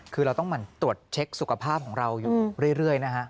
คือเราต้องตรวจเช็คสุขภาพของเราอยู่เรื่อยนะฮะ